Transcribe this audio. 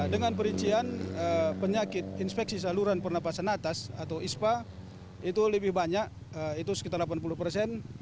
dengan perincian penyakit inspeksi saluran pernapasan atas atau ispa itu lebih banyak itu sekitar delapan puluh persen